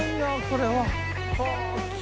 これは。